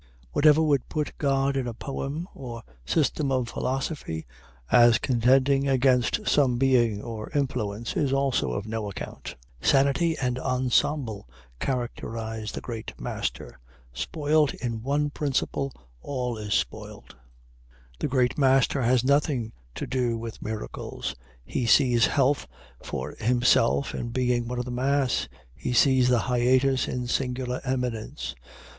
Whatever would put God in a poem or system of philosophy as contending against some being or influence, is also of no account. Sanity and ensemble characterize the great master spoilt in one principle, all is spoilt. The great master has nothing to do with miracles. He sees health for himself in being one of the mass he sees the hiatus in singular eminence.